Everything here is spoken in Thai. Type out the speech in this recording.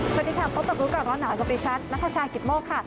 สวัสดีค่ะพบกับรู้ก่อนร้อนหนาวกับดิฉันนัทชายกิตโมกค่ะ